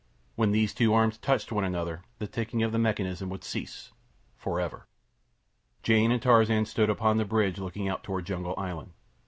When those two arms touched one another the ticking of the mechanism would cease—for ever. Jane and Tarzan stood upon the bridge looking out toward Jungle Island.